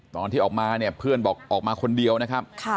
ตอนที่ออกมาเนี่ยเพื่อนบอกออกมาคนเดียวนะครับ